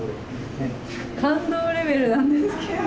感動レベルなんですけど。